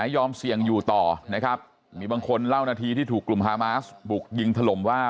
เสี่ยงอยู่ต่อนะครับมีบางคนเล่านาทีที่ถูกกลุ่มฮามาสบุกยิงถล่มว่า